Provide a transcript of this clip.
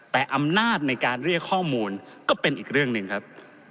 แต่อำนาจในการเรียกข้อมูลก็เป็นอีกเรื่องหนึ่งครับ